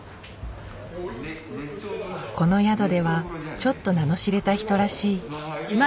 この宿ではちょっと名の知れた人らしい。